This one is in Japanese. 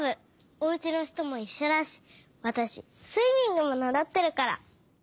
おうちのひともいっしょだしわたしスイミングもならってるから。